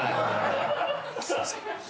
すいません。